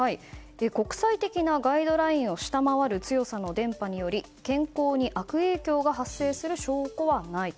国際的なガイドラインを下回る強さの電波により健康に悪影響が発生する証拠はないと。